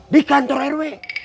di kantor rw